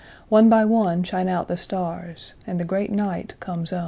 One by one14Shine out the stars, and the great night comes on.